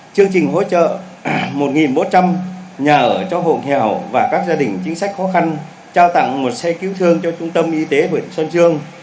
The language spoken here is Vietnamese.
chương trình hỗ trợ một bốn trăm linh nhà ở cho hộ nghèo và các gia đình chính sách khó khăn trao tặng một xe cứu thương cho trung tâm y tế huyện xuân dương